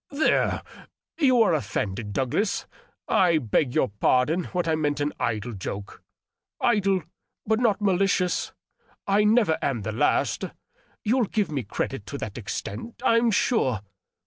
" There ! you are offended, Douglas. I beg you to pardon what I meant in idle joke. Idle, but not malicious. I never am the last ; you'll give me credit to that extent, I'm sure.